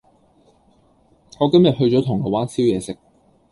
我今日去咗銅鑼灣燒嘢食